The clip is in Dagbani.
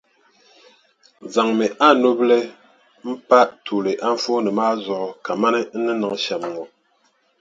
Zaŋmi a nubila m-pa tuuli anfooni maa zuɣu kamani n ni niŋ shɛm ŋɔ.